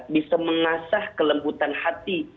bisa mengasah kelembutan hati